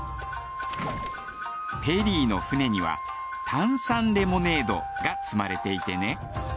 ペリーの船には炭酸レモネードが積まれていてね